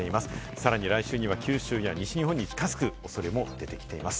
さらに来週には九州や西日本に近づく恐れも出てきています。